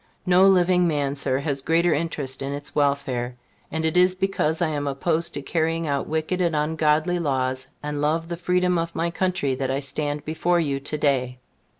No living man, Sir, has greater interest in its welfare; and it is because I am opposed to carrying out wicked and ungodly laws, and love the freedom of my country, that I stand before you to day.